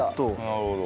なるほど。